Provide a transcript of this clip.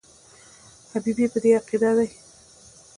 حبیبي په دې عقیده دی.